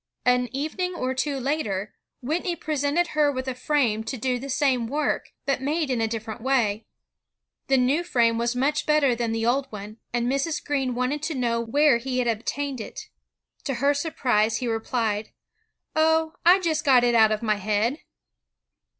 An evening or two later, Whitney pre sented her with a frame to do the same work, but made in a different way. The new frame was much better than the old one, and Mrs. Greene wanted to know where he had obtained it. To her surprise, he repUed, "Oh! I just got it out of my head."